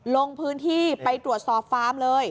ลงพื้นที่ไปตรวจสอบฟาร์มเลย